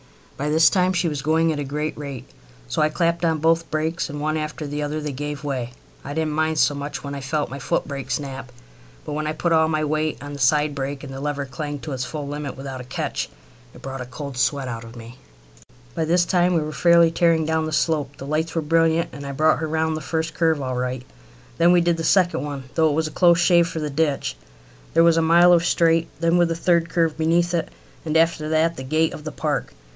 By this time she was going at a great rate, so I clapped on both brakes, and one after the other they gave way. I didn't mind so much when I felt my footbrake snap, but when I put all my weight on my side brake, and the lever clanged to its full limit without a catch, it brought a cold sweat out of me. By this time we were fairly tearing down the slope. The lights were brilliant, and I brought her round the first curve all right. Then we did the second one, though it was a close shave for the ditch. There was a mile of straight then with the third curve beneath it, and after that the gate of the park.